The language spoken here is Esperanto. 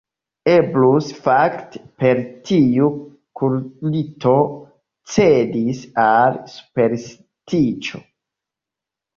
Eblus, fakte, per tiu kulto cedis al superstiĉo.